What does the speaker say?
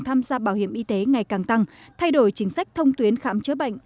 tham gia bảo hiểm y tế ngày càng tăng thay đổi chính sách thông tuyến khám chữa bệnh